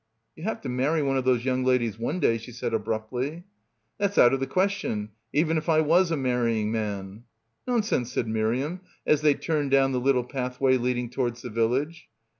"You'll have to marry one of those young ladies one day," she said abruptly. "That's out of the question, even if I was a marrying man." "Nonsense," said Miriam, as they turned down the little pathway leading towards the village.